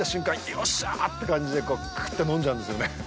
よっしゃーって感じでクーっと飲んじゃうんですよね。